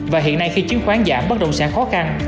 và hiện nay khi chiến khoán giảm bất đồng sản khó khăn